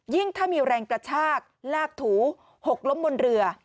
ถ้ามีแรงกระชากลากถูหกล้มบนเรือ